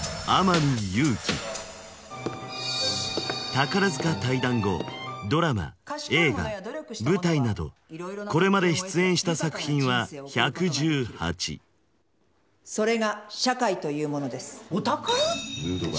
宝塚退団後ドラマ映画舞台などこれまで出演した作品は１１８それが社会というものです